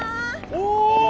お！